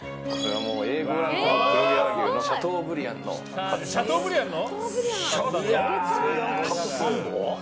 Ａ５ランクの黒毛和牛のシャトーブリアンのカツサンド。